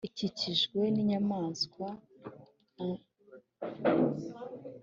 ikikijwe n’inyamaswa (zigereranya shiva, ‘umwami w’inyamaswa zo mu ishyamba’).